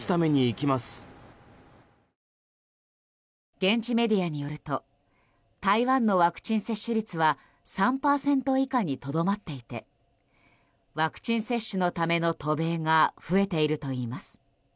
現地メディアによると台湾のワクチン接種率は３％以下にとどまっていてワクチン接種のための渡米が増えているといいます。